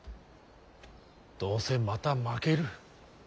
どうせまた負ける。